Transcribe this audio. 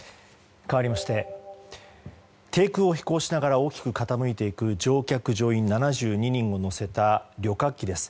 かわりまして低空を飛行しながら大きく傾いていく乗客・乗員７２人を乗せた旅客機です。